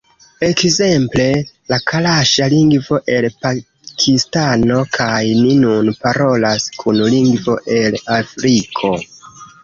Ekzemple, la kalaŝa lingvo el Pakistano kaj ni nun parolas kun lingvo el Afriko